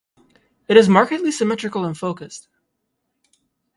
It is markedly symmetrical and focused.